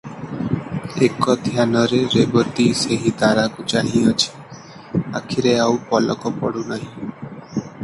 ଏକ ଧ୍ୟାନରେ ରେବତୀ ସେହି ତାରାକୁ ଚାହିଁଅଛି, ଆଖିରେ ଆଉ ପଲକ ପଡ଼ୁ ନାହିଁ ।